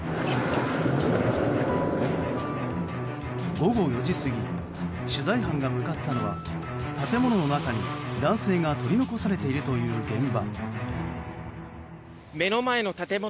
午後４時過ぎ取材班が向かったのは建物の中に、男性が取り残されているという現場。